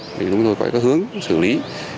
thì chúng tôi có hướng xử lý